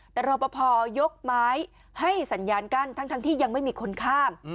แต่รอปภยกไม้ให้สัญญาณกั้นทั้งที่ยังไม่มีคนข้าม